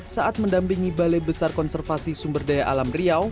saat mendampingi balai besar konservasi sumber daya alam riau